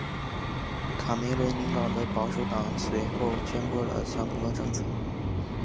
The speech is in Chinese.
卡梅伦领导的保守党随后宣布了相同的政策。